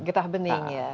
getah bening ya